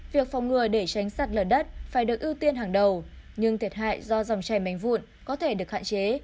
việc phòng ngừa để tránh sạt lở đất phải được ưu tiên hàng đầu nhưng thiệt hại do dòng chảy mạnh vụn có thể được hạn chế